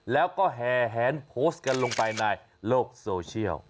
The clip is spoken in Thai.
แล้วก็แห่แหนโพสต์กันลงไปในโลกโซเชียล